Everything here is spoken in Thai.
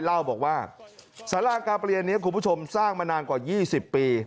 เล่าบอกว่าสารากาเปลี่ยนนี้คุณผู้ชมสร้างมานานกว่า๒๐ปี